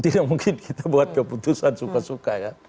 tidak mungkin kita buat keputusan suka suka ya